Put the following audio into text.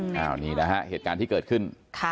อันนี้นะฮะเหตุการณ์ที่เกิดขึ้น